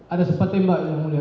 ada sempat tembak yang mulia